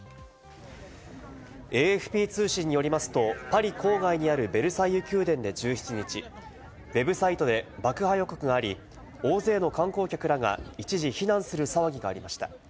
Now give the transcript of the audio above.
ＡＦＰ通信によりますと、パリ郊外にあるベルサイユ宮殿で１７日、ウェブサイトで爆破予告があり、大勢の観光客らが一時、避難する騒ぎがありました。